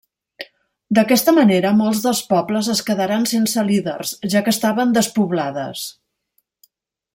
D'aquesta manera molts dels pobles es quedaren sense líders, ja que estaven despoblades.